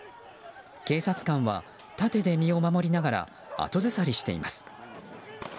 警察官は盾で身を守りながら後ずさりしています。